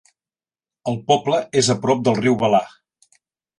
El poble és a prop del riu Belah.